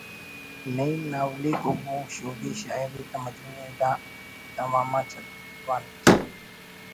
نعیم نا اولیکو بوگ شوگی شاعری تا مجموعہ ءِ دا کتاب آماچ ادبی دیوان (رجسٹرڈ)